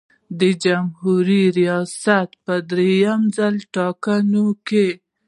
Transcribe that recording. د جمهوري ریاست په دریم ځل ټاکنو کې.